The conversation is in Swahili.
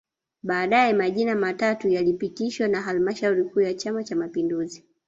Baadae majina matatu yalipitishwa na halmashauri kuu ya Chama Cha Mapinduzi